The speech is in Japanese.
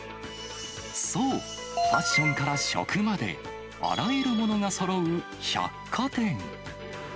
そう、ファッションから食まで、あらゆるものがそろう百貨店。